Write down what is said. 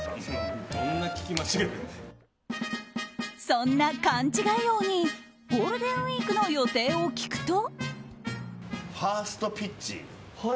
そんな勘違い王にゴールデンウィークの予定を聞くと。